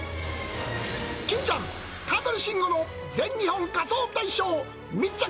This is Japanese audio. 欽ちゃん＆香取慎吾の全日本仮装大賞密着！